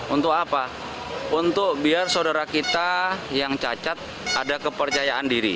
untuk apa untuk biar saudara kita yang cacat ada kepercayaan diri